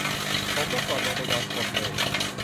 ผมเมื่อก่อนลงไปนอนขดเลย